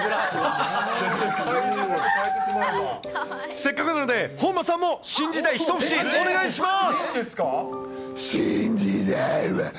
せっかくなので、本間さんも新時代、一節お願いします。